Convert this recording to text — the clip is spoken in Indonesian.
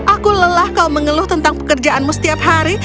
aku lelah kau mengeluh tentang pekerjaanmu setiap hari